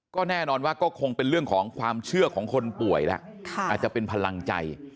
ก็แน่นอนว่าก็คงเป็นเรื่องของความเชื่อของคนป่วยแล้วอาจจะเป็นพลังใจ